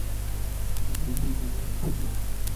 性質必定相同